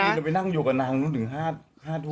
จะไปนั่งอยู่กับนางถึง๕ทุ่ม